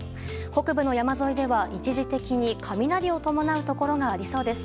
北部の山沿いでは一時的に雷を伴うところがありそうです。